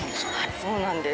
そうなんです。